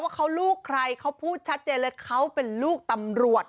ว่าเขาลูกใครเขาพูดชัดเจนเลยเขาเป็นลูกตำรวจ